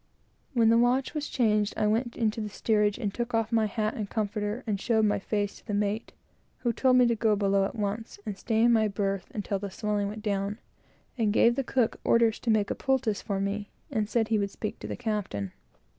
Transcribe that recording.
When the watch was changed I went into the steerage, and took off my hat and comforter, and showed my face to the mate, who told me to go below at once, and stay in my berth until the swelling went down, and gave the cook orders to make a poultice for me, and said he would speak to the captain.